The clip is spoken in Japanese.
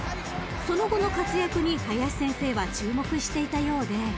［その後の活躍に林先生は注目していたようで］